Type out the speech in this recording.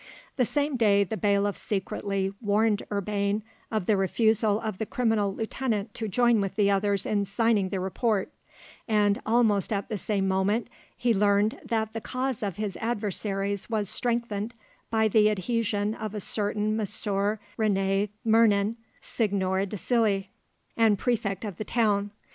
The same day the bailiff secretly warned Urbain of the refusal of the criminal lieutenant to join with the others in signing the report, and almost at the same moment he learned that the cause of his adversaries was strengthened by the adhesion of a certain Messire Rene Memin, seigneur de Silly, and prefect of the town.